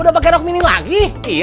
udah pakai rok mini lagi